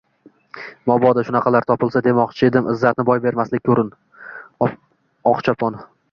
– Mabodo, shunaqalar topilsa, demoqchi edim, – izzatni boy bermaslikka urindi Oqchopon